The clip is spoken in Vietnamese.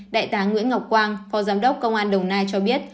đại tá nguyễn ngọc quang phó giám đốc công an đồng nai cho biết